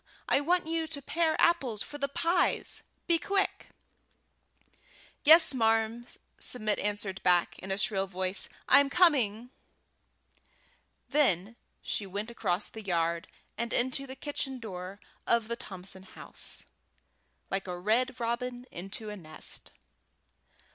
I want you to pare apples for the pies. Be quick!" "Yes, marm," Submit answered back, in a shrill voice; "I'm coming!" Then she went across the yard and into the kitchen door of the Thompson house, like a red robin into a nest.